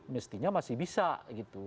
mestinya masih bisa gitu